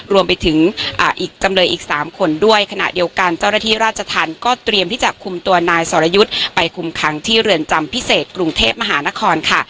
รวมไปถึงอีกจำเลยอีก๓คนด้วยขณะเดียวกันเจ้าหน้าที่ราชธรรมก็เตรียมที่จะคุมตัวนายสรยุทธ์ไปคุมขังที่เรือนจำพิเศษกรุงเทพมหานครค่ะ